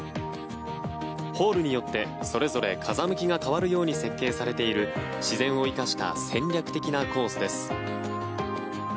ホールによってそれぞれ風向きが変わるように設計されている、自然を生かした戦略的なコースです。